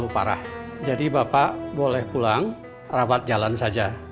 pulang rapat jalan saja